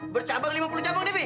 bercabang lima puluh cabang deh be